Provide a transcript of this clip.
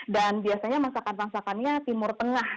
dan biasanya masakan masakannya timur tengah